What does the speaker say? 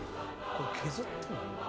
これ削ってるの？